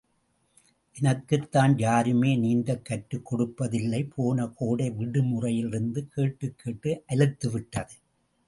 எனக்குத்தான் யாருமே நீந்தக் கற்றுக் கொடுப்பதில்லை போன கோடை விடுமுறையிலிருந்து கேட்டுக் கேட்டு அலுத்துவிட்டது.